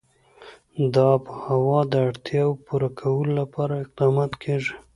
د آب وهوا د اړتیاوو پوره کولو لپاره اقدامات کېږي.